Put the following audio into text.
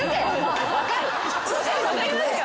分かりますか？